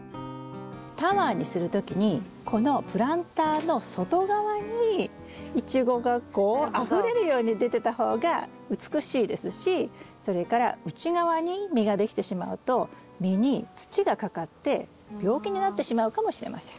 タワーにする時にこのプランターの外側にイチゴがこうあふれるように出てた方が美しいですしそれから内側に実ができてしまうと実に土がかかって病気になってしまうかもしれません。